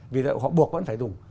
vì họ buộc vẫn phải dùng